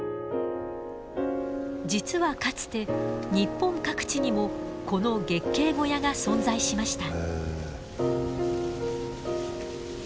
実はかつて日本各地にもこの月経小屋が存在しました。